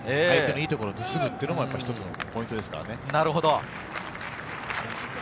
相手のいいところを盗むというのも一つのポイントですからね。